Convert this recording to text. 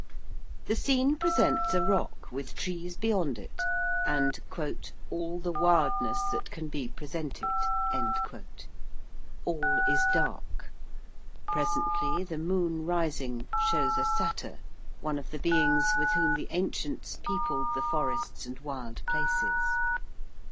The scene presents a rock with trees beyond it and 'all the wildness that can be presented.' All is dark. Presently the moon rising shows a Satyr, one of the beings with whom the ancients peopled the forests and wild places.